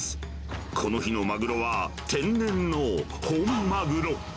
この日のマグロは、天然の本マグロ。